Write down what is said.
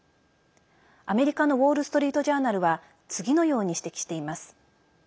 アメリカのウォール・ストリート・ジャーナルは次のように指摘しています。